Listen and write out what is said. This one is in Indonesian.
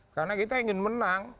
karena kita ingin menang